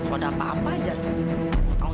udah apa apa aja lah